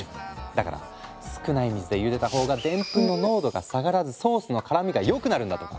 だから少ない水でゆでた方がでんぷんの濃度が下がらずソースの絡みが良くなるんだとか！